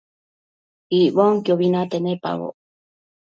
Icbonquiobi nate nepaboc